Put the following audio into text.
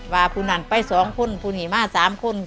ว่าผู้นั้นไปสองคนผู้นี้มาสามคนสินะ